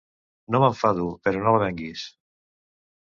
- No m'enfado, però no la venguis